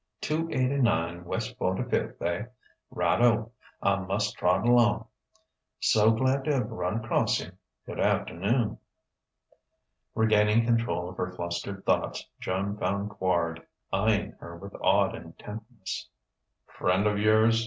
Two eighty nine west Forty fifth, eh? Right O! I must trot along. So glad to have run across you. Good afternoon...." Regaining control of her flustered thoughts, Joan found Quard eyeing her with odd intentness. "Friend of yours?"